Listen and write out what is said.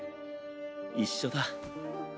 一緒だ。